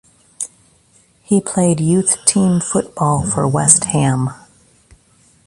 He played youth team football for West Ham.